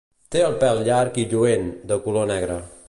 Té el pèl llarg i lluent, de color negre.